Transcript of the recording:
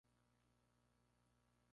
Es padre del futbolista Paulo Centurión.